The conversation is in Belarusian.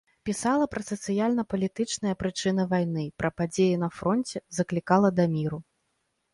Пісала пра сацыяльна-палітычныя прычыны вайны, пра падзеі на фронце, заклікала да міру.